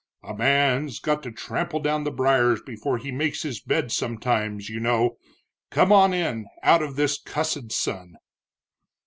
A man's got to trample down the briars before he makes his bed sometimes, you know come on in out of this cussed sun.